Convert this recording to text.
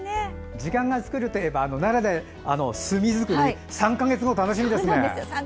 時間が作るといえば奈良で墨づくり３か月後が楽しみですね。